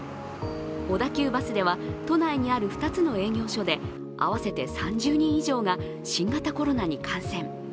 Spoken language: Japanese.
小田急バスでは都内にある２つの営業所で合わせて３０人以上が新型コロナに感染。